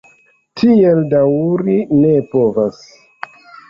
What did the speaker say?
Tiel daŭri ne povas!